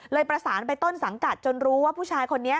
ประสานไปต้นสังกัดจนรู้ว่าผู้ชายคนนี้